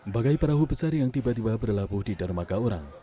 bagai perahu besar yang tiba tiba berlabuh di darmaga orang